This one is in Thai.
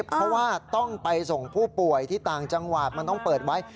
เพราะว่าต้องไปส่งผู้ป่วยที่ต่างจังหวัดมันต้องเปิดไว้